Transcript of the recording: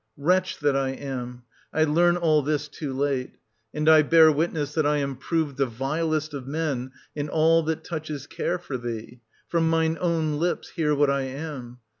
Wretch that I am ! I learn all this too late : and I bear witness that I am proved the vilest of men m all that touches care for thee :— from mine own lips hear what I am.